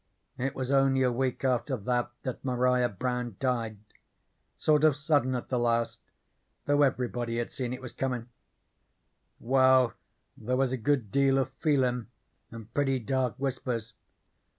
It was only a week after that that Maria Brown died sort of sudden at the last, though everybody had seen it was comin'. Well, then there was a good deal of feelin' and pretty dark whispers.